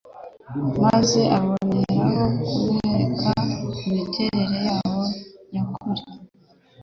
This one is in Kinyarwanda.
maze aboneraho kubereka imiterere yabo nyakuri